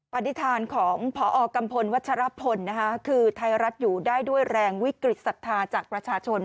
ปฏิฐานของพอกัมพลวัชรพลนะคะคือไทยรัฐอยู่ได้ด้วยแรงวิกฤตศรัทธาจากประชาชน